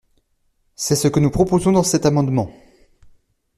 » C’est ce que nous proposons dans cet amendement.